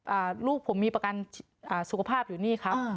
ลูกผมมีประกันอ่าสุขภาพอยู่นี่ครับ